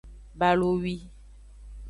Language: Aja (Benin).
Balowi.